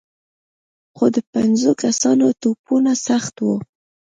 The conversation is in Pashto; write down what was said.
خو د پنځو کسانو ټپونه سخت وو.